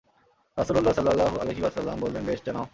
রাসূলুল্লাহ সাল্লাল্লাহু আলাইহি ওয়াসাল্লাম বললেন, বেশ, জানাও।